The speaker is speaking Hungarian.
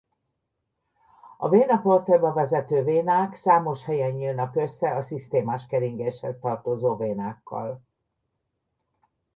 A vena portaeba vezető vénák számos helyen nyílnak össze a szisztémás keringéshez tartozó vénákkal.